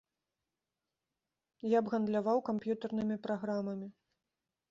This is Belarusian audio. Я б гандляваў камп'ютарнымі праграмамі.